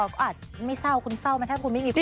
เราก็อาจไม่เศร้าคุณเศร้าใช่มั้ยคุณไม่มีคู่